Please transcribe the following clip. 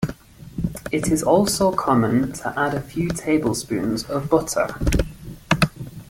It is also common to add a few tablespoons of butter.